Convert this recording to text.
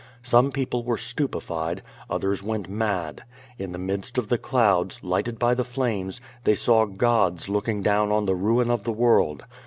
Some people were stupified, others went mad. In the midst of the clouds, lighted by the flames, they saw gods looking down on the ruin of the world.